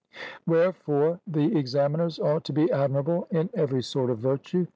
Wherefore the examiners ought to be admirable in every sort of virtue.